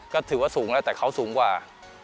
ก็ถือว่าสูงแล้วแต่เขาสูงกว่า